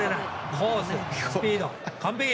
コース、スピード完璧！